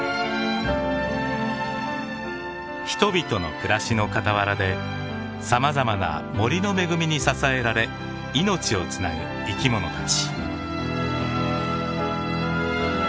人々の暮らしの傍らでさまざまな森の恵みに支えられ命をつなぐ生き物たち。